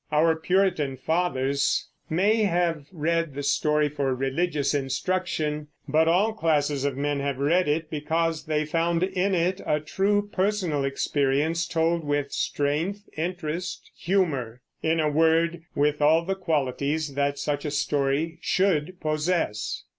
Our Puritan fathers may have read the story for religious instruction; but all classes of men have read it because they found in it a true personal experience told with strength, interest, humor, in a word, with all the qualities that such a story should possess.